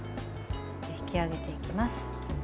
引き上げていきます。